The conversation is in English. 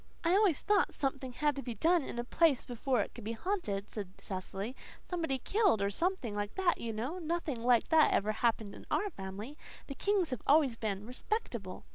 "I always thought something had to be done in a place before it could be haunted," said Cecily. "Somebody killed or something like that, you know. Nothing like that ever happened in our family. The Kings have always been respectable."